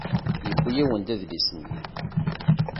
Yewwi-awen-d adlis-nni.